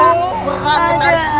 bang bangun bangun bangun